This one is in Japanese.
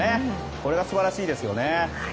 これが素晴らしいですね。